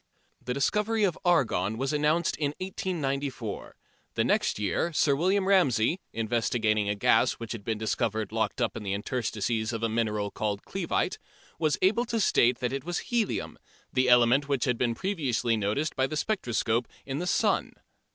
The discovery of argon was announced in 1894. The next year Sir William Ramsey, investigating a gas which had been discovered locked up in the interstices of a mineral called clevite, was able to state that it was helium, the element which had been previously noticed by the spectroscope in the sun.